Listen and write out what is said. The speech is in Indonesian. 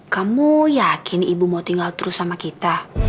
kamu yakin ibu mau tinggal terus sama kita